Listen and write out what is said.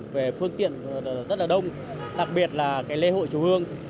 về phương tiện rất là đông đặc biệt là lễ hội chùa hương